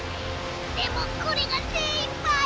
でもこれが精いっぱい！